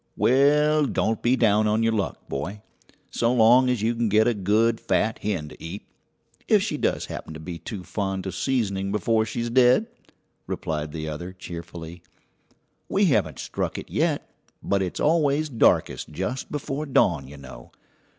"Well, don't be down on your luck, boy, so long as you can get a good fat hen to eat, if she does happen to be too fond of seasoning before she's dead!" replied the other cheerfully; "we haven't struck it yet, but it's always darkest just before dawn, you know.